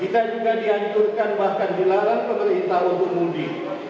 kita juga dianjurkan bahkan dilarang pemerintah untuk mudik